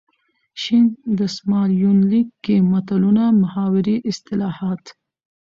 شین دسمال یونلیک کې متلونه ،محاورې، اصطلاحات .